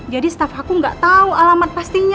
jadi staff aku gak tahu alamat pastinya